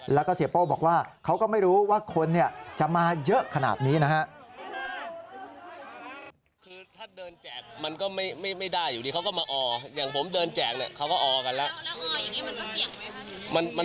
แล้วก็เสียโป้บอกว่าเขาก็ไม่รู้ว่าคนจะมาเยอะขนาดนี้นะฮะ